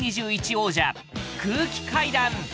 王者空気階段